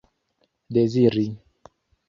deziri